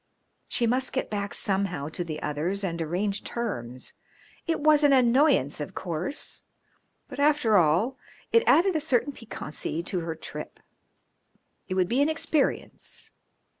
She must get back somehow to the others and arrange terms. It was an annoyance, of course, but after all it added a certain piquancy to her trip, it would be an experience.